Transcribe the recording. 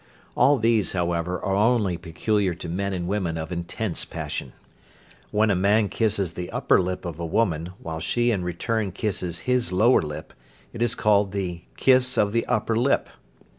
All these, however, are only peculiar to men and women of intense passion. When a man kisses the upper lip of a woman, while she in return kisses his lower lip, it is called the "kiss of the upper lip."